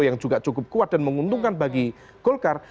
yang juga cukup kuat dan menguntungkan bagi golkar